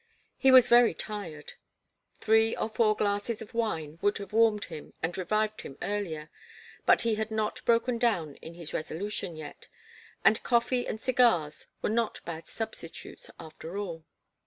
He was very tired. Three or four glasses of wine would have warmed him and revived him earlier, but he had not broken down in his resolution yet and coffee and cigars were not bad substitutes, after all.